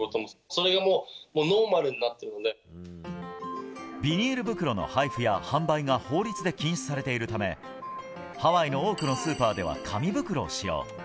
それがもうノーマルになってるのビニール袋の配布や販売が法律で禁止されているため、ハワイの多くのスーパーでは紙袋使用。